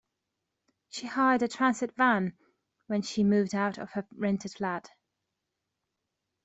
She hired a transit van when she moved out of her rented flat